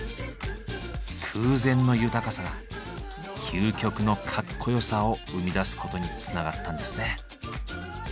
空前の豊かさが究極のかっこよさを生み出すことにつながったんですね。